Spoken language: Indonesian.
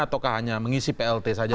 ataukah hanya mengisi plt saja